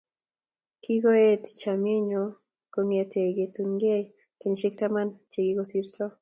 kikoeet chomienyoo kong'etee ketunkeei kenyisiek taman che kikosirto